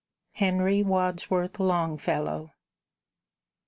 HENRY WADSWORTH LONGFELLOW.